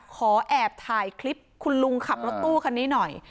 ขอแอบถ่ายคลิปคุณลุงขับรถตู้คันนี้หน่อย